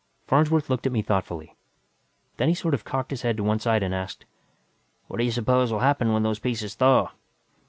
Farnsworth looked at me thoughtfully. Then he sort of cocked his head to one side and asked, "What do you suppose will happen when those pieces thaw?"